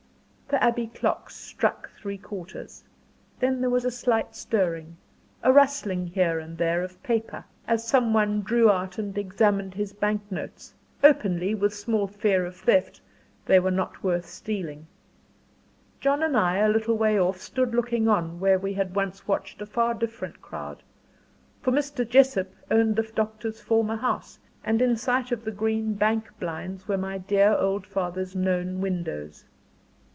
The Abbey clock struck three quarters. Then there was a slight stirring, a rustling here and there of paper, as some one drew out and examined his bank notes; openly, with small fear of theft they were not worth stealing. John and I, a little way off, stood looking on, where we had once watched a far different crowd; for Mr. Jessop owned the doctor's former house, and in sight of the green bank blinds were my dear old father's known windows.